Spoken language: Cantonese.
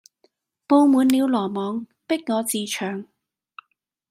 布滿了羅網，逼我自戕。